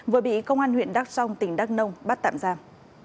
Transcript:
vừa bị công an huyện đắk song tỉnh đắk nông bắt tạm giam